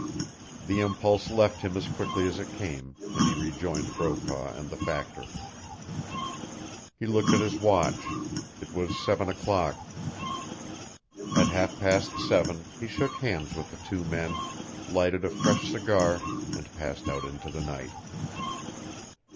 The impulse left him as quickly as it came, and he rejoined Brokaw and the factor. He looked at his watch. It was seven o'clock. At half past seven he shook hands with the two men, lighted a fresh cigar, and passed out into the night.